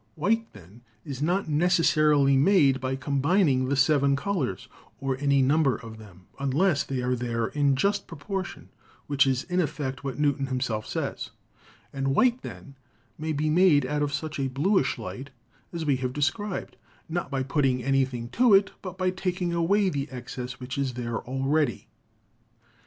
White, then, is not necessarily made by combining the "seven col ors," or any number of them, unless they are there in ii4 PHYSICS just proportion (which is in effect what Newton himself says) ; and white, then, may be made out of such a bluish light as we have described, not by putting anything to it, but by taking away the excess which is there already.